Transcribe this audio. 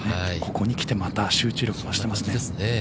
ここに来てまた集中力が増してますね。